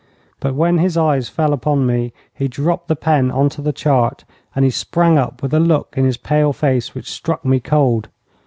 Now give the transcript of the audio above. But when his eyes fell upon me he dropped the pen on to the chart, and he sprang up with a look in his pale face which struck me cold.